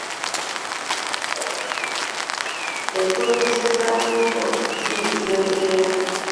Empulunguse za muwogo ziyitibwa Enkenga.